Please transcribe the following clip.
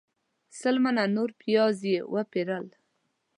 سل منه نور پیاز یې وپیرل.